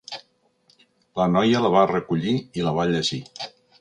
La noia la va recollir i la va llegir.